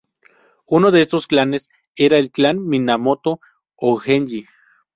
Uno de estos clanes era el clan Minamoto o Genji.